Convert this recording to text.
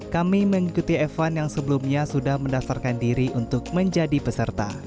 kami mengikuti evan yang sebelumnya sudah mendasarkan diri untuk menjadi peserta